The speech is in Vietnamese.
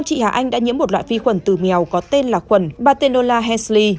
chị hà anh đã nhiễm một loại vi khuẩn từ mèo có tên là khuẩn batenola hensley